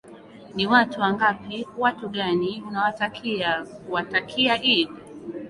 ni watu wangapi watu gani unawatakia kuwatakia idd